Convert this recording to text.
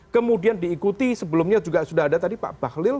kemudian diikuti sebelumnya juga sudah ada tadi pak bahlil